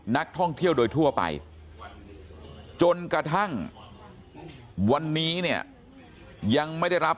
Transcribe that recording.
นักท่องเที่ยวโดยทั่วไปจนกระทั่งวันนี้เนี่ยยังไม่ได้รับ